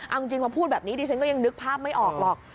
เอาจริงมาพูดแบบนี้ดิฉันก็ยังนึกภาพไม่ออกหรอก